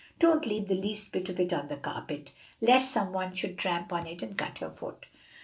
Don't leave the least bit of it on the carpet, lest some one should tramp on it and cut her foot."